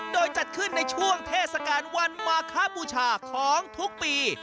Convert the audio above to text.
โดยจัดขึ้นในช่วงเทศกาลวันมาคบูชาของทุกปี